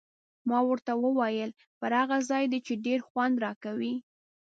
ما ورته وویل: پر هغه ځای دې، چې ډېر خوند راکوي.